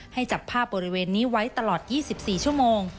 ให้จับภาพบริเวณนี้ไว้ตลอด๒๔ชั่วโมง